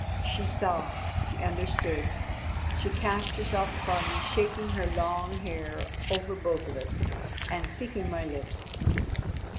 She saw, she understood; she cast herself upon me, shaking her long hair over both of us, and seeking my lips.